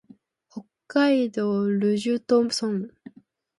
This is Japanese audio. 北海道留寿都村